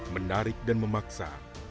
menarik dan memaksa